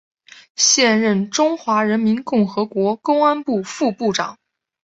现任中华人民共和国公安部副部长。